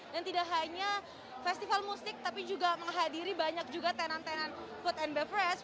dan tidak hanya festival musik tapi juga menghadiri banyak juga tenan tenan food and beverage